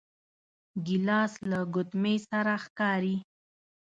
ګیلاس له ګوتمې سره ښکاري.